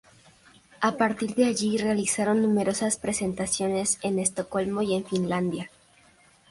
A partir de allí realizaron numerosas presentaciones en Estocolmo y en Finlandia.